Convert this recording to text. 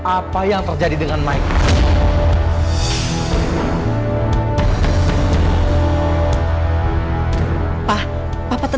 apa yang terjadi dengan mike